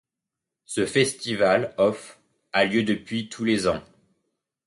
Ce festival off a lieu depuis tous les ans.